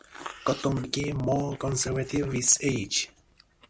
Cotton became more conservative with age.